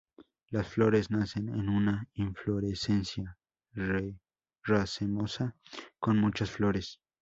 Las flores nacen en una inflorescencia racemosa con muchas flores.